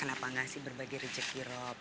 kenapa gak sih berbagi rezeki rob